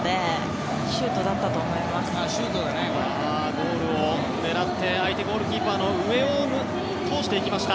ゴールを狙って相手ゴールキーパーの上を通していきました。